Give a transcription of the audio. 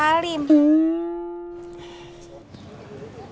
awak malu mulnya nert singer